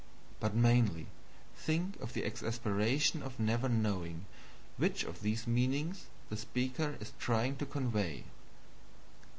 But mainly, think of the exasperation of never knowing which of these meanings the speaker is trying to convey.